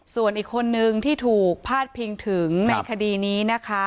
ส่วนอีกคนนึงที่ถูกพาดพิงถึงในคดีนี้นะคะ